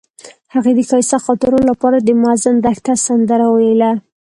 هغې د ښایسته خاطرو لپاره د موزون دښته سندره ویله.